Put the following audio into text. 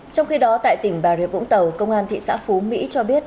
trong khi đó tại tỉnh bà rịa vũng tàu công an thị xã phú mỹ cho biết